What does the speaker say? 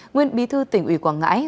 nguyên bí thư tỉnh ủy quảng ngãi